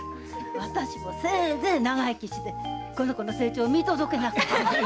あたしもせいぜい長生きしてこの子の成長を見届けなくちゃ。